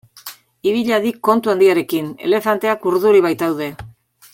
Ibil hadi kontu handiarekin elefanteak urduri baitaude.